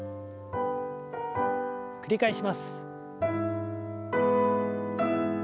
繰り返します。